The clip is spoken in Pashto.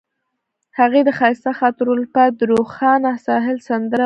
هغې د ښایسته خاطرو لپاره د روښانه ساحل سندره ویله.